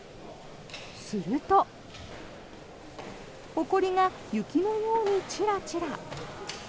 すると、ほこりが雪のようにちらちら。